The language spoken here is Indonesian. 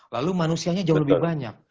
lalu manusianya jauh lebih banyak